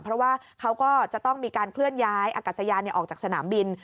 เพราะว่าเขาก็จะต้องมีการเคลื่อนย้ายอากาศยานออกจากสนามบิน